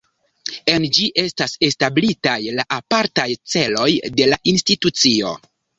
En ĝi estas establitaj la apartaj celoj de la institucio.